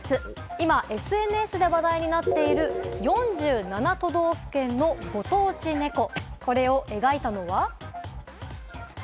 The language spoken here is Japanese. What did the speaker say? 今ＳＮＳで話題になっている４７都道府県のご当地ネコ、これを描いたのは？